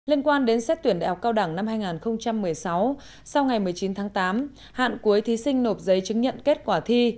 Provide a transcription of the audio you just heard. liên quan đến xét tuyển đại học cao đẳng năm hai nghìn một mươi sáu sau ngày một mươi chín tháng tám hạn cuối thí sinh nộp giấy chứng nhận kết quả thi